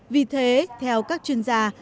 vì thế theo các chuyên gia